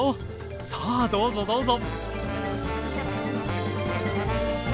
さあどうぞどうぞ。